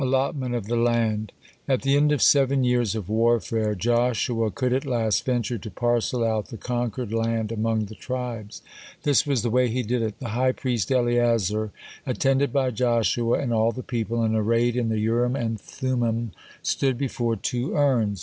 (45) ALLOTMENT OF THE LAND At the end of seven years of warfare, (46) Joshua could at last venture to parcel out the conquered land among the tribes. This was the way he did it. The high priest Eleazar, attended by Joshua and all the people, and arrayed in the Urim and Thummim, stood before two urns.